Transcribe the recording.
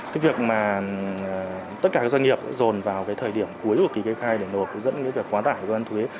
cái việc mà tất cả doanh nghiệp dồn vào thời điểm cuối của ký cây khai để nộp dẫn về quá tải của văn thuế